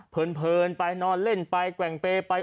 เพลินไปนอนเล่นไปแกว่งเปย์ไป